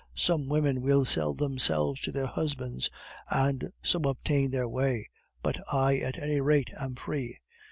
Some women will sell themselves to their husbands, and so obtain their way, but I, at any rate, am free.